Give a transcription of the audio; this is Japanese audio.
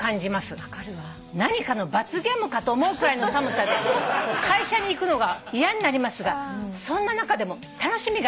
「何かの罰ゲームかと思うくらいの寒さで会社に行くのが嫌になりますがそんな中でも楽しみがあります」